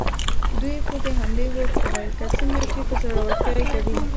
دوی خو د حملې هوډ کړی، که څنګه، چې په زړورتیا یې کوي؟